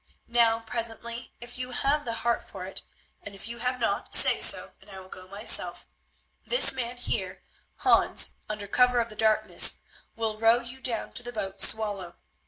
Now, presently, if you have the heart for it—and if you have not, say so, and I will go myself—this man here, Hans, under cover of the darkness, will row you down to the boat Swallow.